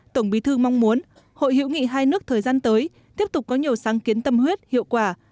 tổng bí thư mong muốn hội hữu nghị hai nước thời gian tới tiếp tục có nhiều sáng kiến tâm huyết hiệu quả